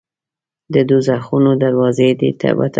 د دوږخونو دروازې دي وتړه.